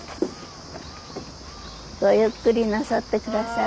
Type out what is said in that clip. ごゆっくりなさって下さい。